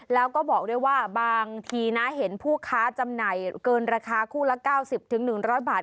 แล้วก็บอกด้วยว่าบางทีนะเห็นผู้ค้าจำหน่ายเกินราคาคู่ละ๙๐๑๐๐บาท